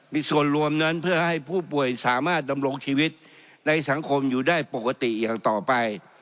มีส่วนรวมนั้นเพื่อให้ผู้ป่วยสามารถดำรงชีวิตในสังคมอยู่ได้ปกติอย่างต่อไป